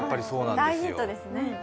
大ヒントですね。